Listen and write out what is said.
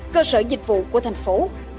cơ sở dịch vụ của thành phố